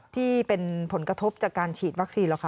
ที่เป็นผลกระทบจากการฉีดวัคซีนหรอกค่ะ